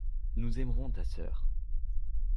Nous aimerons ta sœur.